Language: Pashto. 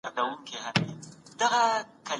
سود د ټولني اقتصاد ته زیان رسوي.